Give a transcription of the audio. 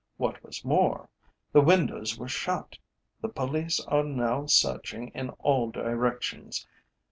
What was more, the windows were shut. The police are now searching in all directions.